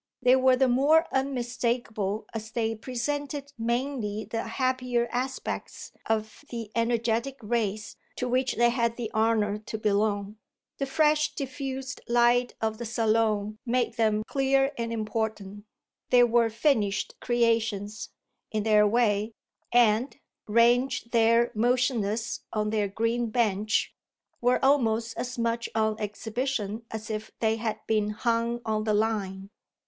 They were the more unmistakable as they presented mainly the happier aspects of the energetic race to which they had the honour to belong. The fresh diffused light of the Salon made them clear and important; they were finished creations, in their way, and, ranged there motionless on their green bench, were almost as much on exhibition as if they had been hung on the line.